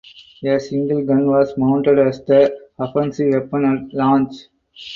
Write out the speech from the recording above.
A single gun was mounted as the offensive weapon at launch.